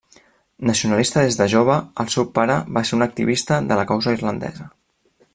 Nacionalista des de jove, el seu pare va ser un activista de la causa irlandesa.